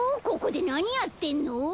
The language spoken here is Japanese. ここでなにやってんの？